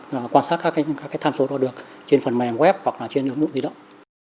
hoặc quan sát các tham số đo được trên phần mềm web hoặc trên ứng dụng di động